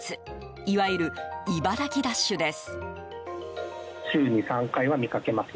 いわゆる茨城ダッシュです。